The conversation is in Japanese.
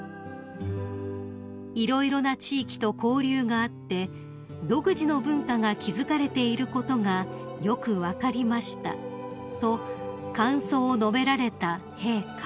［「色々な地域と交流があって独自の文化が築かれていることがよく分かりました」と感想を述べられた陛下］